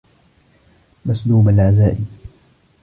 مَسْلُوبَ الْعَزَاءِ